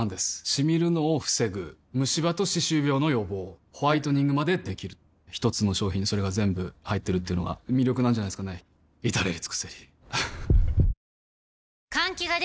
シミるのを防ぐムシ歯と歯周病の予防ホワイトニングまで出来る一つの商品にそれが全部入ってるっていうのが魅力なんじゃないですかね至れり